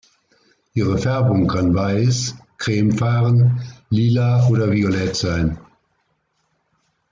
Ihre Färbung kann weiß, cremefarben, lila oder violett sein.